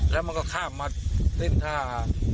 ล่ะก็ขาดมาเส้นทา